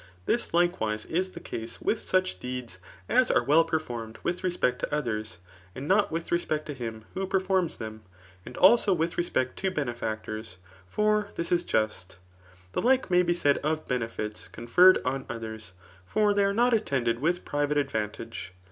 This likewise^ is the case with such deeds as are well performed with respect to others, and not with respect to him who perferms them, and ilso with respect to benefactors; for chis 18 just* The like may be said of benefits [con^ ferred on others y\ for they are not attended with pii< vaoe advantage.